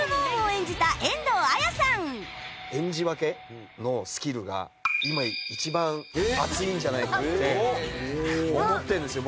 演じ分けのスキルが今一番熱いんじゃないかって思ってるんですよ